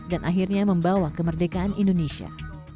dan akhirnya membawa kemerdekaan indonesia